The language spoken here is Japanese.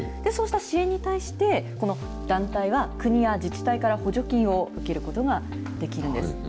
そうした支援に対して、この団体は、国や自治体から補助金を受けることができるんです。